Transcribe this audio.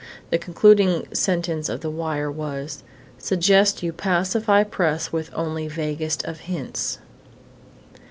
The concluding sentence of the wire was: "SUGGEST YOU PACIFY PRESS WITH ONLY VAGUEST OF HINTS."